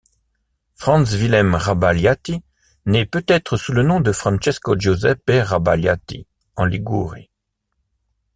Franz Wilhelm Rabaliatti naît peut-être sous le nom de Francesco Giuseppe Rabaliatti en Ligurie.